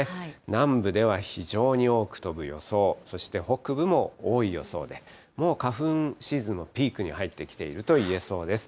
南部では非常に多く飛ぶ予想、そして北部も多い予想で、もう花粉シーズンのピークに入ってきているといえそうです。